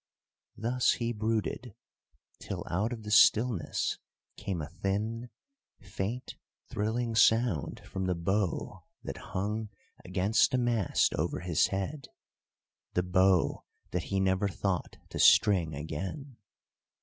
Thus he brooded, till out of the stillness came a thin, faint, thrilling sound from the bow that hung against the mast over his head, the bow that he never thought to string again.